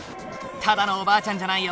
ただのおばあちゃんじゃないよ。